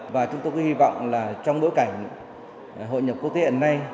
và chúng tôi hy vọng là trong bối cảnh hội nhập quốc tế hiện nay